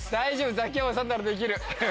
ザキヤマさんならできる！